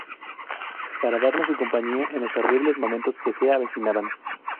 para darnos su compañía en los terribles momentos que se avecinaban.